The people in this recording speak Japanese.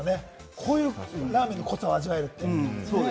こういうラーメンの濃さを味わえるって。